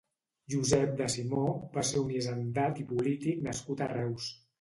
Josep de Simó va ser un hisendat i polític nascut a Reus.